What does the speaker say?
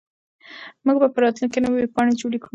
موږ به په راتلونکي کې نوې ویبپاڼې جوړې کړو.